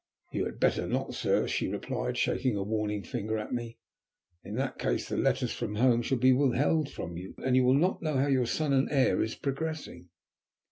"You had better not, sir," she replied, shaking a warning finger at me. "In that case the letters from home shall be withheld from you, and you will not know how your son and heir is progressing."